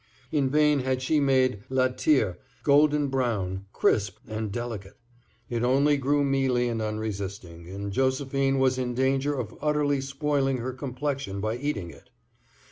In vain had she made latire golden brown, crisp, and delicate; it only grew mealy and unresisting, and Josephine was in danger of utterly spoiling her complexion by eating it.